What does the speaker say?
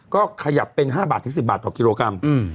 ก็ขยับเป็นห้าบาทถึงสิบบาทต่อกิโลกรัมอืม